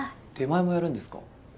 出前もやるんですか？